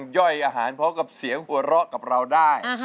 ย่อยอาหารพร้อมกับเสียงหัวเราะกับเราได้